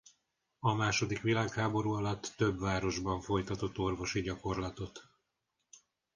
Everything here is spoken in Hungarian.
A második világháború alatt több városban folytatott orvosi gyakorlatot.